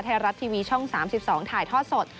ไทยรัฐทีวีช่อง๓๒ถ่ายทอดสด